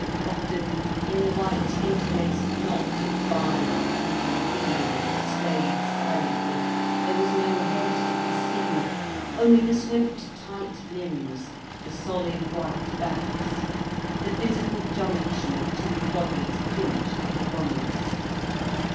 Often, in the white interlaced knot of violent living being that swayed silently, there was no head to be seen, only the swift, tight limbs, the solid white backs, the physical junction of two bodies clinched into oneness.